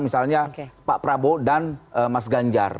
misalnya pak prabowo dan mas ganjar